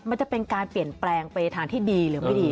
มันจะเป็นการเปลี่ยนแปลงไปทางที่ดีหรือไม่ดี